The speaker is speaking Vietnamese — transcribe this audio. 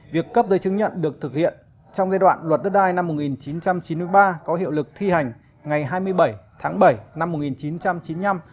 việc cấp giấy chứng nhận được thực hiện trong giai đoạn luật đất đai năm một nghìn chín trăm chín mươi ba có hiệu lực thi hành ngày hai mươi bảy tháng bảy năm một nghìn chín trăm chín mươi năm